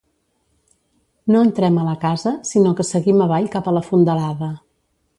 No entrem a la casa, sinó que seguim avall cap a la fondalada.